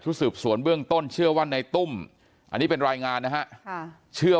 สืบสวนเบื้องต้นเชื่อว่าในตุ้มอันนี้เป็นรายงานนะฮะเชื่อ